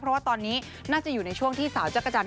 เพราะว่าตอนนี้น่าจะอยู่ในช่วงที่สาวจักรจันท